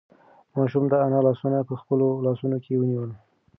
ماشوم د انا لاسونه په خپلو لاسو کې ونیول.